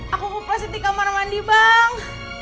aku kupasin di kamar mandi bang